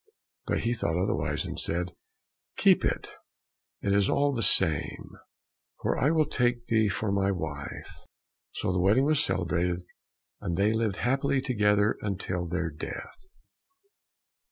But he thought otherwise, and said, "Keep it; it is all the same, for I will take thee for my true wife." So the wedding was celebrated, and they lived happily together until their death.